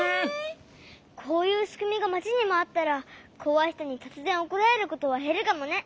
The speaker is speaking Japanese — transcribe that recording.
こういうしくみがまちにもあったらこわいひとにとつぜんおこられることはへるかもね。